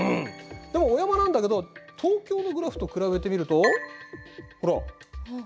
でもお山なんだけど東京のグラフと比べてみるとほら。